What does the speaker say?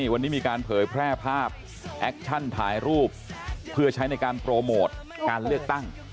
วันนี้มีการเผยแพร่ภาพแอคชั่นถ่ายรูปเพื่อใช้ในการโปรโมทการเลือกตั้ง